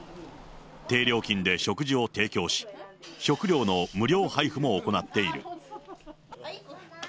低料金で食事を提供し、食料の無料配布も行っている。